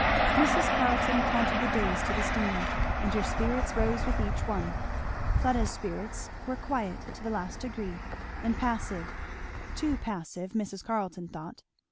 Mrs. Carleton counted the days to the steamer, and her spirits rose with each one. Fleda's spirits were quiet to the last degree, and passive, too passive, Mrs. Carleton thought.